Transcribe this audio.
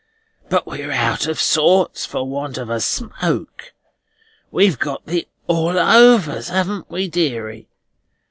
But we're out of sorts for want of a smoke. We've got the all overs, haven't us, deary?